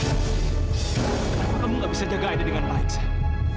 kenapa kamu nggak bisa jaga aida dengan baik san